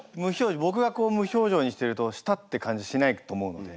僕がこう無表情にしてるとしたって感じしないと思うので。